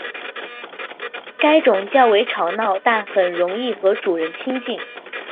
该种较为吵闹但很容易和主人亲近。